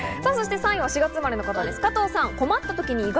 ３位は４月生まれの方です、加藤さん。